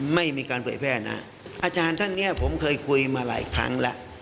ไม่มีการเผยแพร่นะอาจารย์ท่านเนี่ยผมเคยคุยมาหลายครั้งแล้ว